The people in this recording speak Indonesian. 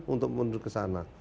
untuk menuju ke sana